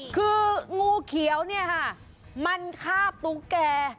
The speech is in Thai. คืองูเขียวเนี่ยค่ะมันคาบตุ๊กแก่